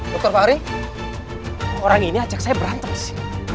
dokter fahri orang ini ajak saya berantem sih